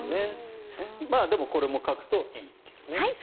でも、これも書くといいというね。